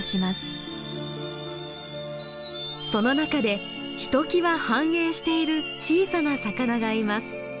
その中でひときわ繁栄している小さな魚がいます。